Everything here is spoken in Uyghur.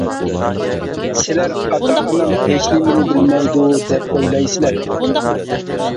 سىلەر «ئاتا-ئانام ھېچنېمىنى بىلمەيدۇ» ، دەپ ئويلايسىلەر.